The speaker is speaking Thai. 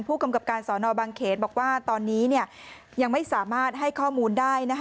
ผู้กำกับการสอนอบางเขนบอกว่าตอนนี้ยังไม่สามารถให้ข้อมูลได้